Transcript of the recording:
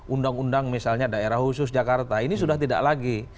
undang undang misalnya daerah khusus jakarta ini sudah tidak lagi